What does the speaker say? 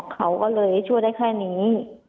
เขาก็เลยช่วยได้แค่นี้